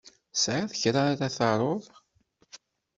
Tesɛiḍ kra ara taruḍ?